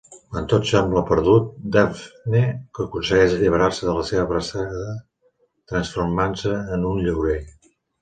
Quan tot sembla perdut, Dafne aconsegueix alliberar-se de la seva abraçada transformant-se en un llorer.